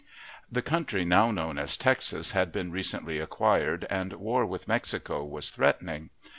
The country now known as Texas had been recently acquired, and war with Mexico was threatening.